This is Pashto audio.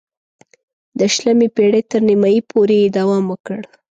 د شلمې پېړۍ تر نیمايی پورې یې دوام وکړ.